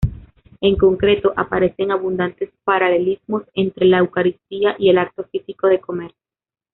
En concreto, aparecen abundantes paralelismos entre la Eucaristía y el acto físico de comer.